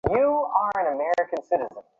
Seriously, এটা বাজে।